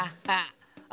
あ！